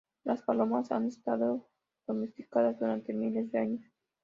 Las palomas han estado domesticadas durante miles de años.